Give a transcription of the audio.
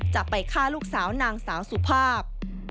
จะไปฆ่าลูกสาวนางสาวสุภาพ